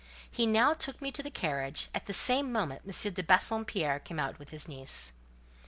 He now took me to the carriage: at the same moment M. de Bassompierre came out with his niece.